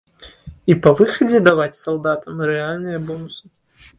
І па выхадзе даваць салдатам рэальныя бонусы.